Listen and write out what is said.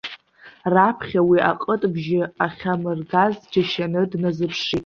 Раԥхьа уи аҟыт-бжьы ахьамыргаз џьашьаны дназыԥшит.